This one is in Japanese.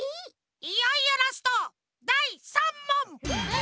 いよいよラストだい３もん！